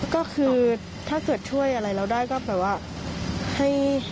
ก็คือถ้าเกิดช่วยอะไรเราได้ก็แบบว่าให้